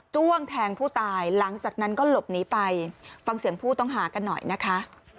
้วงแทงผู้ตายหลังจากนั้นก็หลบหนีไปฟังเสียงผู้ต้องหากันหน่อยนะคะ